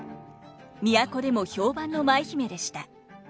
都でも評判の舞姫でした。